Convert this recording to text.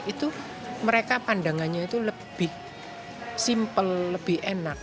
itu mereka pandangannya itu lebih simple lebih enak